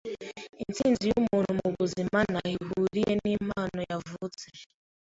Intsinzi yumuntu mubuzima ntaho ihuriye nimpano yavutse.